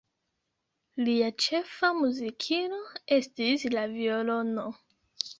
Lia ĉefa muzikilo estis la violono.